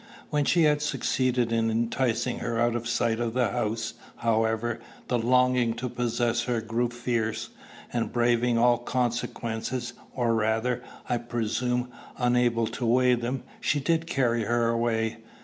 When she had succeeded in enticing her out of sight of the house, however, the longing to possess her grew fierce; and braving all consequences, or rather, I presume, unable to weigh them, she did carry her away.